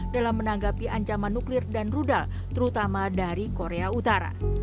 dalam menanggapi ancaman nuklir dan rudal terutama dari korea utara